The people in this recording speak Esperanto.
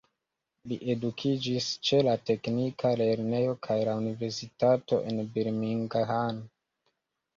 Li edukiĝis ĉe la teknika lernejo kaj la universitato en Birmingham.